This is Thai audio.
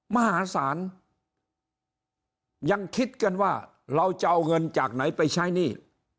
มหาศาลยังคิดกันว่าเราจะเอาเงินจากไหนไปใช้หนี้